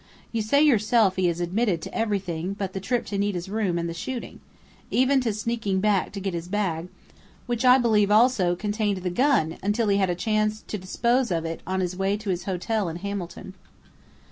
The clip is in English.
You say yourself he has admitted to everything but the trip to Nita's room and the shooting even to sneaking back to get his bag, which I believe also contained the gun until he had a chance to dispose of it on his way to his hotel in Hamilton."